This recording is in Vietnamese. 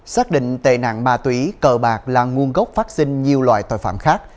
xác định tệ nạn ma túy cờ bạc là nguồn gốc phát sinh nhiều loại tội phạm khác